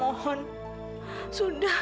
aku dengar sedikit